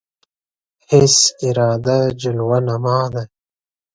حسن اراده جلوه نما ده